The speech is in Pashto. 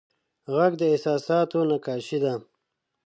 غږ د احساساتو نقاشي ده